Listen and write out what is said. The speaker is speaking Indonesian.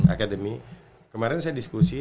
academy kemarin saya diskusi